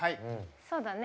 そうだね。